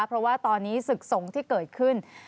เพราะว่าตอนนี้ศึกสงฆ์ที่เกิดขึ้น